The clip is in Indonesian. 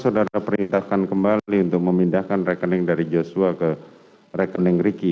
saudara perintahkan kembali untuk memindahkan rekening dari joshua ke rekening ricky